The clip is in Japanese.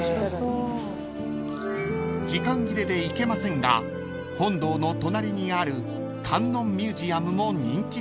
［時間切れで行けませんが本堂の隣にある観音ミュージアムも人気スポット］